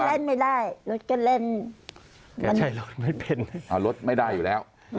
เล่นไม่ได้รถก็เล่นมันใช้รถไม่เป็นรถไม่ได้อยู่แล้ว